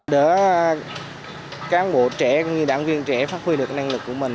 để cán bộ trẻ cũng như đảng viên trẻ phát huy được năng lực của mình